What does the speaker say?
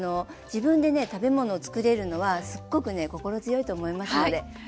自分でね食べ物を作れるのはすっごくね心強いと思いますので。